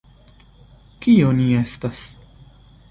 Kio ni estas?